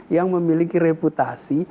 yang memiliki reputasi